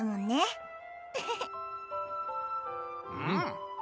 うん。